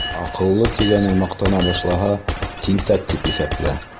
Аҡыллы тигәнең маҡтана башлаһа, тинтәк тип иҫәплә.